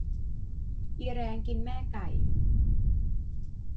อีแร้งกินแม่ไก่